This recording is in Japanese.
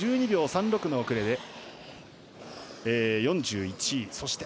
１２秒３６の遅れで４１位。